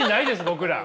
僕ら。